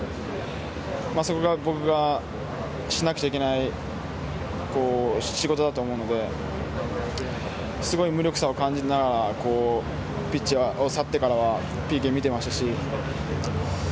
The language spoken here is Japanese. そこが僕がしなくちゃいけない仕事だと思うのですごい無力さを感じながらピッチを去ってからはＰＫを見てましたし。